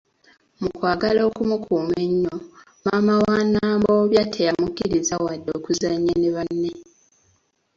Mu kwagala okumukuuma ennyo, maama wa Nambobya teyamukkiriza nga wadde na kuzannya na banne.